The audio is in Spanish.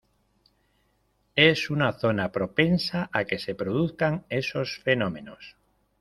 Es una zona propensa a que se produzcan esos fenómenos.